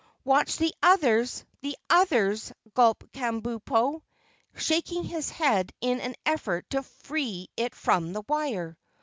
"Watch the others, the others!" gulped Kabumpo, shaking his head in an effort to free it from the wire.